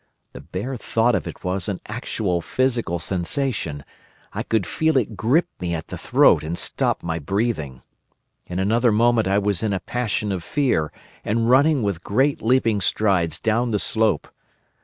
The bare thought of it was an actual physical sensation. I could feel it grip me at the throat and stop my breathing. In another moment I was in a passion of fear and running with great leaping strides down the slope.